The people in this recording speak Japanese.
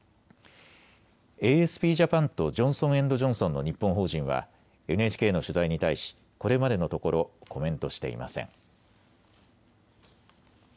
ＡＳＰＪａｐａｎとジョンソン・エンド・ジョンソンの日本法人はＮＨＫの取材に対しこれまでのところコメントしていません。